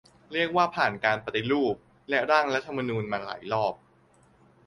เรียกว่าผ่าน "การปฏิรูป" และ "ร่างรัฐธรรมนูญ" มาหลายรอบ